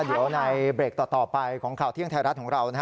เดี๋ยวในเบรกต่อไปของข่าวเที่ยงไทยรัฐของเรานะฮะ